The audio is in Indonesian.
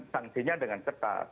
sanksinya dengan ketat